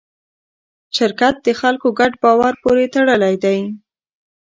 شرکت د خلکو ګډ باور پورې تړلی دی.